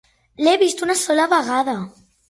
L'he vist una sola vegada.